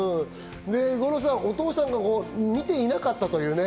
お父さんが見ていなかったというね。